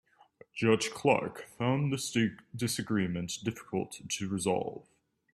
Judge Clark found this disagreement difficult to resolve.